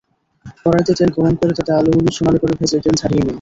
কড়াইতে তেল গরম করে তাতে আলুগুলো সোনালি করে ভেজে তেল ঝরিয়ে নিন।